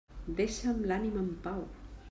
Deixa'm l'ànima en pau.